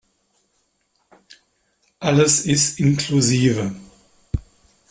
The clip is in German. Alles ist inklusive.